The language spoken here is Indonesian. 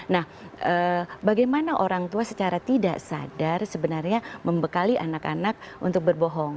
nah bagaimana orang tua secara tidak sadar sebenarnya membekali anak anak untuk berbohong